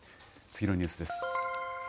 次のニュースです。